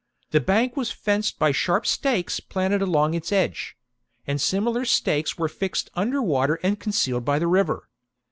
The bank was fenced by sharp stakes planted along its edge ; and similar stakes werd fixed under water and concealed by the river.